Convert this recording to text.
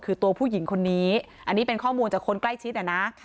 คือตัวผู้หญิงคนนี้อันนี้เป็นข้อมูลจากคนใกล้ชิดอ่ะนะ